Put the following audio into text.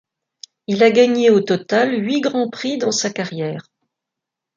Il a gagné au total huit grands prix dans sa carrière.